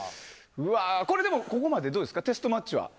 これ、でもここまでどうですかテストマッチは。